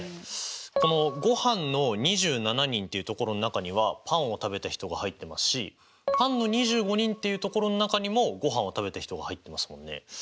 このごはんの２７人っていう所の中にはパンを食べた人が入ってますしパンの２５人っていう所の中にもごはんを食べた人が入ってますもんね。